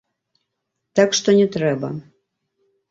Так што не трэба.